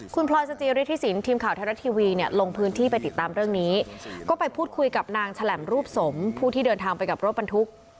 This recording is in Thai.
คุณพลอยสจิริธิสินทีมข่าวไทยรัฐทีวีเนี่ยลงพื้นที่ไปติดตามเรื่องนี้ก็ไปพูดคุยกับนางฉล่มรูปสมผู้ที่เดินทางไปกับรถบรรทุก